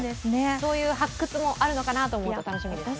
そういう発掘もあると思うと楽しみですね。